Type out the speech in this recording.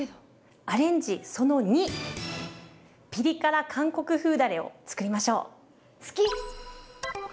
アレンジその２ピリ辛韓国風だれをつくりましょう。